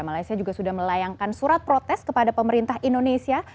malaysia juga sudah melayangkan surat protes kepada pemerintah indonesia